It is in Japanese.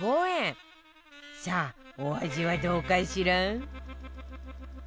さあお味はどうかしら？